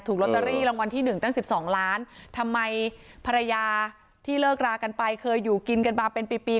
ลอตเตอรี่รางวัลที่หนึ่งตั้งสิบสองล้านทำไมภรรยาที่เลิกรากันไปเคยอยู่กินกันมาเป็นปีปี